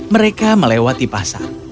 mereka melewati pasar